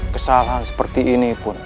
kesalahan seperti ini pun